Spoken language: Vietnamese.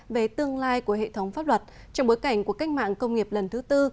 về tương lai của hệ thống pháp luật trong bối cảnh của cách mạng công nghiệp lần thứ tư